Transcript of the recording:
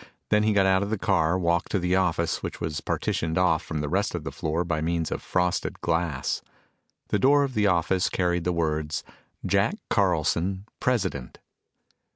Then he got out of the car, walked to the office which was partitioned off from the rest of the floor by means of frosted glass. The door of the office carried the words, "Jack Carlson, President."